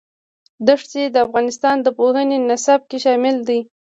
دښتې د افغانستان د پوهنې نصاب کې شامل دي.